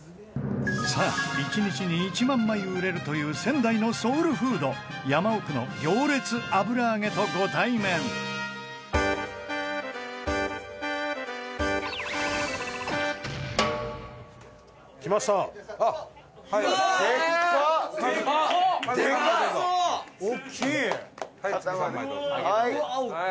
さあ１日に１万枚売れるという仙台のソウルフード山奥の行列あぶらあげと、ご対面千賀：でっか！